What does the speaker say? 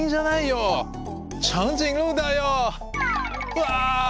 うわ！